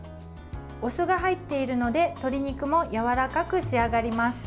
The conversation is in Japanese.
お酢が入っているので鶏肉もやわらかく仕上がります。